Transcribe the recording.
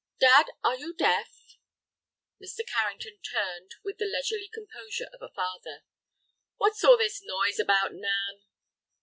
"Dad, are you deaf?" Mr. Carrington turned with the leisurely composure of a father. "What's all this noise about, Nan?"